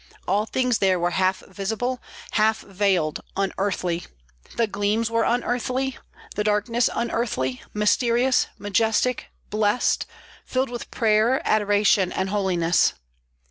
All things there were half visible, half veiled, unearthly; the gleams were unearthly, the darkness unearthly, mysterious, majestic, blessed, filled with prayer, adoration, and holiness.